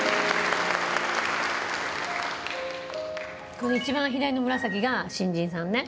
この一番左の紫が新人さんね。